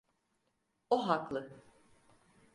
O haklı.